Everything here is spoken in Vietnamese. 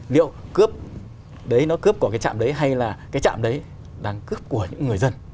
liệu cướp đấy nó cướp của cái trạm đấy hay là cái trạm đấy đang cướp của những người dân